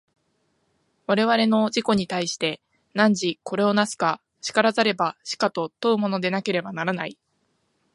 我々の自己に対して、汝これを為すか然らざれば死かと問うものでなければならない。